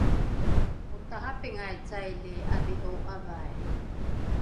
otarapingai caili ’adhi’o ’avai?